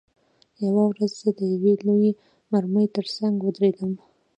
یوه ورځ زه د یوې لویې مرمۍ ترڅنګ ودرېدم